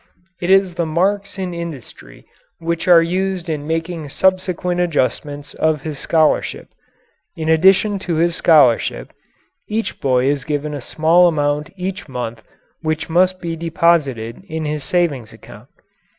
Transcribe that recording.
It is the marks in industry which are used in making subsequent adjustments of his scholarship. In addition to his scholarship each boy is given a small amount each month which must be deposited in his savings account.